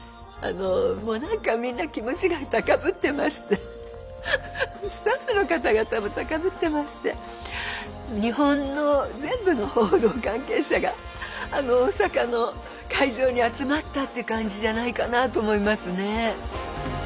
もうなんかみんな気持ちが高ぶってましてスタッフの方々も高ぶってまして日本の全部の報道関係者があの大阪の会場に集まったって感じじゃないかなと思いますね。